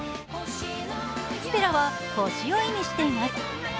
ステラは星を意味しています。